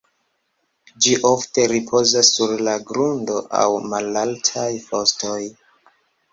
Ĝi ofte ripozas sur la grundo aŭ malaltaj fostoj.